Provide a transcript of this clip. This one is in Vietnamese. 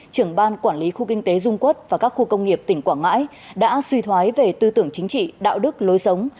trưởng ban quản lý khu kinh tế dung quốc và các khu công nghiệp tỉnh quảng ngãi đã suy thoái về tư tưởng chính trị đạo đức lối sống